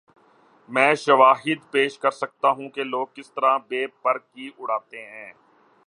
میں شواہد پیش کر سکتا ہوں کہ لوگ کس طرح بے پر کی اڑاتے ہیں۔